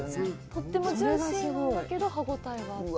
とってもジューシーなんだけど、歯応えがあって。